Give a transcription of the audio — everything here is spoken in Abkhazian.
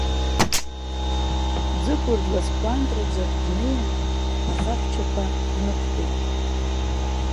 Ӡыкәыр дласкәантраӡа днеин, ахаҳәчаԥа днықәтәеит.